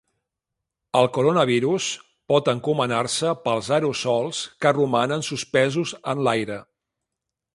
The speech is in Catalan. El coronavirus pot encomanar-se pels aerosols que romanen suspesos en l’aire.